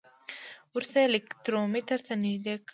وروسته یې الکترومتر ته نژدې کړئ.